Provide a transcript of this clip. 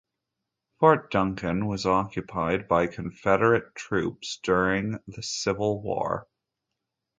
Fort Duncan was occupied by Confederate troops during the Civil War.